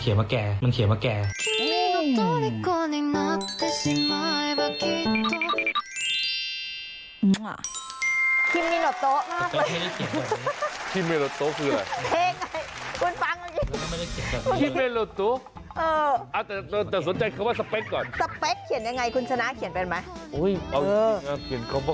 สเปคเขียนยังไงคุณชนะเขียนเป็นไหม